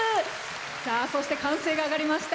そして、歓声が上がりました。